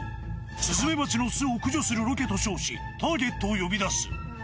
スズメバチの巣を駆除するロケと称し、ターゲットを呼び出す。